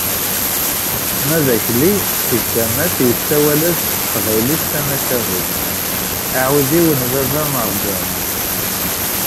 Ma d Akli seg tama-s, yessawel-d s teqbaylit tamacahut “Aɛudiw n baba Merǧan”.